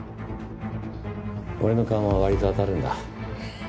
俺の勘は割と当たるんだ。